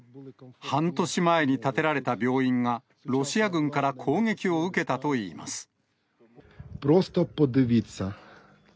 半年前に建てられた病院が、ロシア軍から攻撃を受けたといいます。